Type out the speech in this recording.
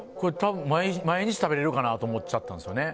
毎日食べられるかなと思っちゃったんですよね